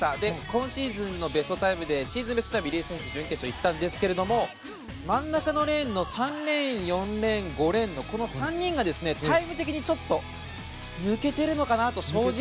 今シーズンのシーズンベストタイム入江選手準決勝いったんですけど真ん中のレーンの３レーン４レーン、５レーンの３人がタイム的にちょっと抜けているのかなと。